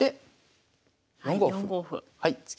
はい。